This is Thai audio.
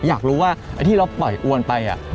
อยากรู้ว่าไอ้ที่เราปล่อยอวนไป